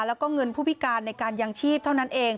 แล้วก็เงินผู้พิการในการยังชีพเท่านั้นเอง